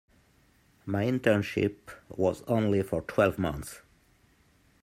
My internship was only for twelve months.